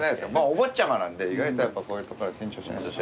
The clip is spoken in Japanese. お坊ちゃまなんで意外とやっぱこういう所は緊張しないです。